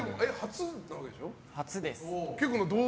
初です。